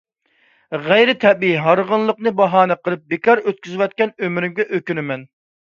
غەيرىي تەبىئىي «ھارغىنلىق »نى باھانە قىلىپ بىكار ئۆتكۈزۈۋەتكەن ئۆمرۈمگە ئۆكۈنىمەن.